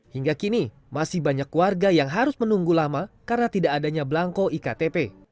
hingga kini masih banyak warga yang harus menunggu lama karena tidak adanya belangko iktp